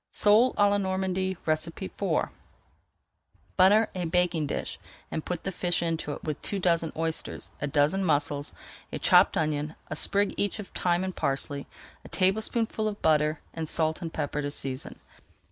SOLE À LA NORMANDY IV Butter a baking dish and put the fish into it with two dozen oysters, a dozen mussels, a chopped onion, a sprig each of thyme and parsley, a tablespoonful of butter, and salt and pepper to season.